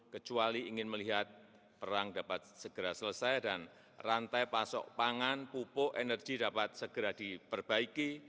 kecuali ingin melihat perang dapat segera selesai dan rantai pasok pangan pupuk energi dapat segera diperbaiki